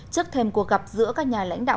trước thêm cuộc gặp giữa các nhà lãnh đạo